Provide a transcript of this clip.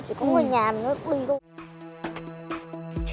chỉ có ở nhà mình cũng được đi thôi